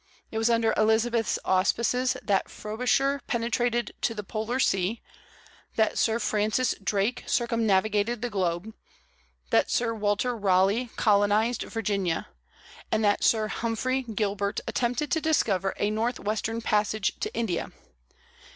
It was under Elizabeth's auspices that Frobisher penetrated to the Polar Sea, that Sir Francis Drake circumnavigated the globe, that Sir Walter Raleigh colonized Virginia, and that Sir Humphrey Gilbert attempted to discover 'a northwestern passage to India.